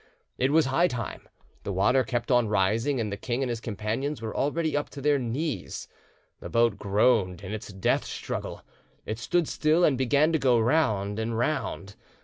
It was high time: the water kept on rising, and the king and his companions were already up to their knees; the boat groaned in its death struggle; it stood still, and began to go round and round.